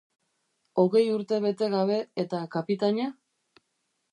Hogei urte bete gabe, eta kapitaina?